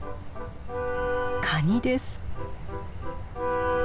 カニです。